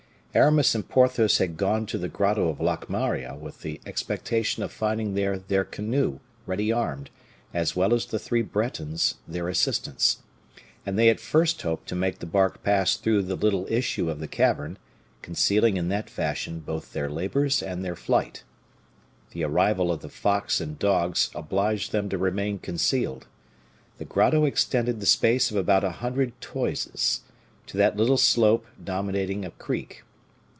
Aramis and Porthos had gone to the grotto of Locmaria with the expectation of finding there their canoe ready armed, as well as the three Bretons, their assistants; and they at first hoped to make the bark pass through the little issue of the cavern, concealing in that fashion both their labors and their flight. The arrival of the fox and dogs obliged them to remain concealed. The grotto extended the space of about a hundred toises, to that little slope dominating a creek.